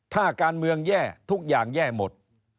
ถ้าการเมืองแย่ทุกอย่างแย่หมด